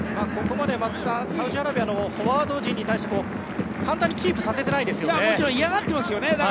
ここまで松木さんサウジアラビアのフォワード陣に対して簡単にキープさせてないですね。